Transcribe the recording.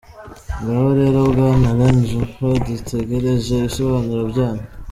Ngaho rero Bwana Alain Jupé, dutegereje ibisobanuro byanyu !